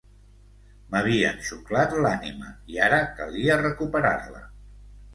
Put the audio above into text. M'havien xuclat l'ànima i ara calia recuperar-la.